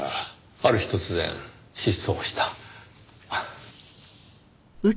ある日突然失踪した。